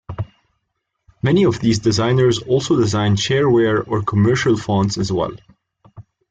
Many of these designers also design shareware or commercial fonts as well.